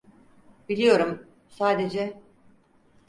Biliyorum, sadece…